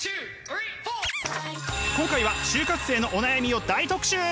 今回は就活生のお悩みを大特集。